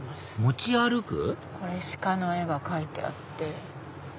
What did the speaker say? これ鹿の絵が描いてあって。